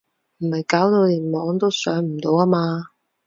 唔係搞到連網都上唔到呀嘛？